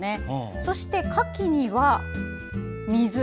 そしてカキには水。